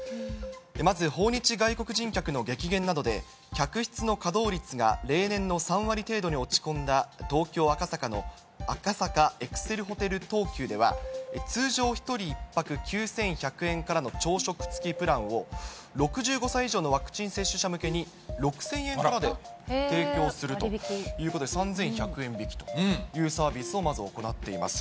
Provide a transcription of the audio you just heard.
まず訪日外国人客の激減などで、客室の稼働率が例年の３割程度に落ち込んだ、東京・赤坂の赤坂エクセルホテル東急では、通常１人１泊９１００円からの朝食つきプランを６５歳以上のワクチン接種者向けに６０００円からで提供するということで、３１００円引きというサービスをまずあるいはっています。